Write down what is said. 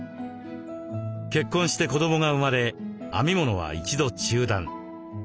結婚して子どもが生まれ編み物は一度中断。